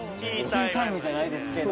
ティータイムじゃないですけど。